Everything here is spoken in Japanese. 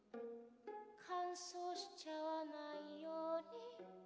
「乾燥しちゃわないように」